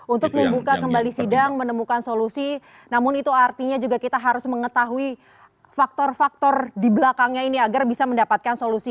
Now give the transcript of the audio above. untuk membuka kembali sidang menemukan solusi namun itu artinya juga kita harus mengetahui faktor faktor di belakangnya ini agar bisa mendapatkan solusi